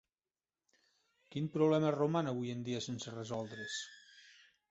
Quin problema roman avui en dia sense resoldre's?